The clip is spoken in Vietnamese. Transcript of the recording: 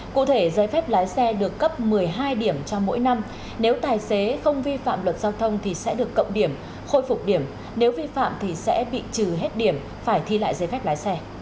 cụ thể giấy phép lái xe được cấp một mươi hai điểm cho mỗi năm nếu tài xế không vi phạm luật giao thông thì sẽ được cộng điểm khôi phục điểm nếu vi phạm thì sẽ bị trừ hết điểm phải thi lại giấy phép lái xe